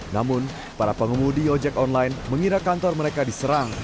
namun para pengemudi ojek online mengira kantor mereka diserang